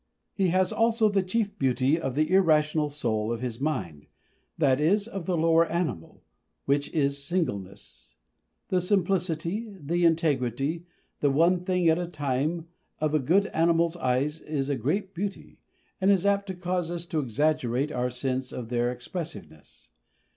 He has also the chief beauty of the irrational soul of the mind, that is, of the lower animal which is singleness. The simplicity, the integrity, the one thing at a time, of a good animal's eyes is a great beauty, and is apt to cause us to exaggerate our sense of their expressiveness.